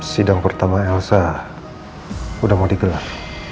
sidang pertama elsa sudah mau digelar